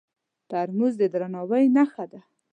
ترموز د درناوي نښه ده.